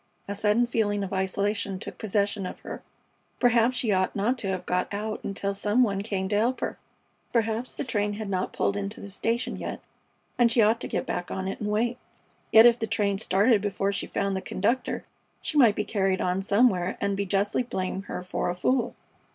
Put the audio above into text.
A sudden feeling of isolation took possession of her. Perhaps she ought not to have got out until some one came to help her. Perhaps the train had not pulled into the station yet and she ought to get back on it and wait. Yet if the train started before she found the conductor she might be carried on somewhere and be justly blame her for a fool.